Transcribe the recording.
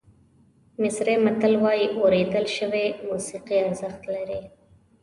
مصري متل وایي اورېدل شوې موسیقي ارزښت لري.